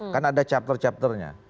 kan ada chapter chapternya